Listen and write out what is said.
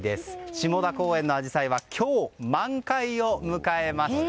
下田公園のアジサイは今日、満開を迎えました。